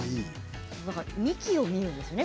幹を見るんですね。